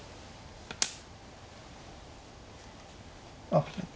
あっ。